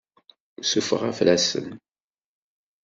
Sufeɣ afrasen.